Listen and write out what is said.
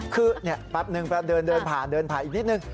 คือแป๊บนึงเดินผ่านเดินผ่านอีกนิดนึง